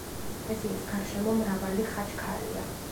ეკლესიის გარშემო მრავალი ხაჩქარია.